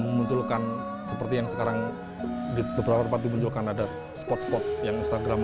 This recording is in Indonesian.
memunculkan seperti yang sekarang di beberapa tempat dimunculkan ada spot spot yang instagram